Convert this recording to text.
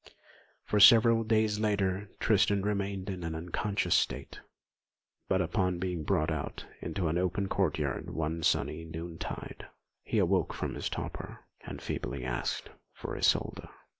For several days after, Tristan remained in an unconscious state; but upon being brought out into an open courtyard one sunny noon tide, he awoke from his torpor, and feebly asked for Isolda.